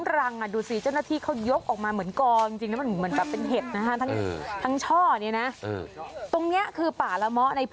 คุณดูสิคุณมันเหมือนเห็ดจริงนะ